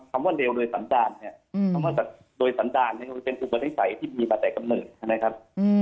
คำว่าเราโดยสันตาลเช่นไม่ดูคือสันตาลนี่ก็เป็นอนุไพรศษัยที่มีปฏิกรรมเนิ่น